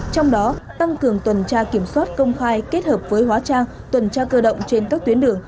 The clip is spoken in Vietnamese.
trong đó tăng cường tuần tra kiểm soát công khai kết hợp với hóa trang tuần tra cơ động trên các tuyến đường